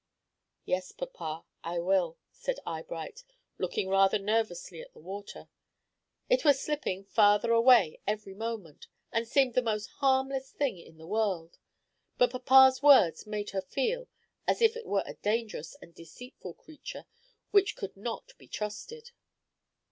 "Yes, papa, I will," said Eyebright, looking rather nervously at the water. It was slipping farther away every moment, and seemed the most harmless thing in the world; but papa's words made her feel as if it were a dangerous and deceitful creature which could not be trusted.